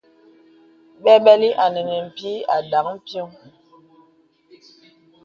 Bɛbɛlì à nə̄ nə̀ pìì à dāŋ piɔŋ.